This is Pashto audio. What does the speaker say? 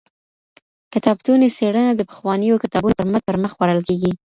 کتابتوني څېړنه د پخوانیو کتابونو پر مټ پرمخ وړل کیږي.